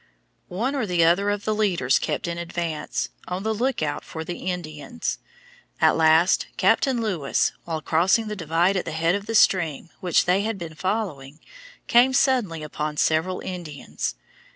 One or the other of the leaders kept in advance, on the lookout for the Indians. At last Captain Lewis, while crossing the divide at the head of the stream which they had been following, came suddenly upon several Indians.